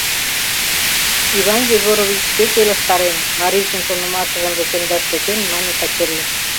Иван Егорович шке келыштарен, — марийжын шонымашыжым весемдаш тӧчен, мане Качырий.